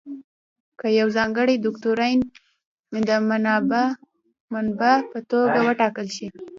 که یو ځانګړی دوکتورین د مبنا په توګه وټاکل شي.